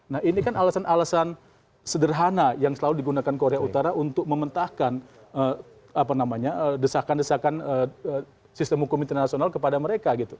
nah ini kan alasan alasan sederhana yang selalu digunakan korea utara untuk mementahkan desakan desakan sistem hukum internasional kepada mereka gitu